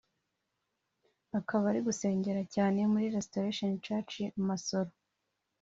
akaba ari gusengera cyane muri Restoration church Masoro